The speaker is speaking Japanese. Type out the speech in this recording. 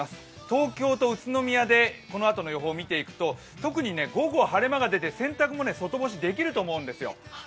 東京と宇都宮でこのあとの予報を見ていくと特に午後晴れ間が出て洗濯も外干しできると思うんですよ。